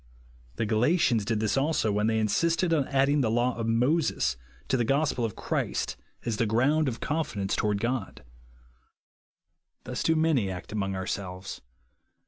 The Gala tians did this also when they insisted on adding the law of Moses to the gospel of Christ as the ground of confidence toward b2 18 MAN*S OWN CHAEACTER God. Tims do many act among ourselves.